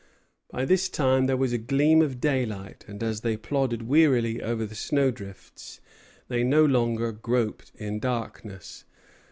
By this time there was a gleam of daylight, and as they plodded wearily over the snow drifts, they no longer groped in darkness.